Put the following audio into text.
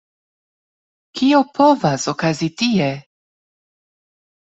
Kio povas okazi tie?